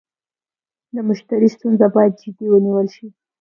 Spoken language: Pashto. د مشتري ستونزه باید جدي ونیول شي.